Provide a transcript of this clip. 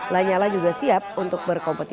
lanyala juga siap untuk berkompetisi